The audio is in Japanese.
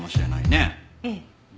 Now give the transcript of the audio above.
ええ。